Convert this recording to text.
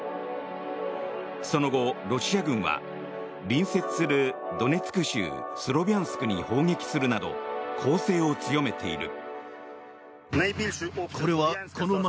その後、ロシア軍は隣接するドネツク州スロビャンスクに砲撃するなど攻勢を強めている。